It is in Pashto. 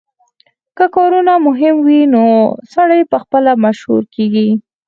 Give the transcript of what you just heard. که کارونه مهم وي نو سړی پخپله مشهور کیږي